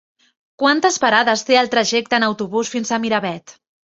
Quantes parades té el trajecte en autobús fins a Miravet?